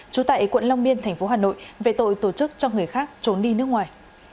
trú tại quận long biên tp hà nội về tội tổ chức cho người khác trốn đi nước ngoài